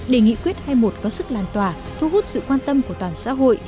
để nghị quyết hai mươi một có sức lan tỏa thu hút sự quan tâm của toàn xã hội